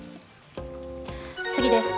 次です。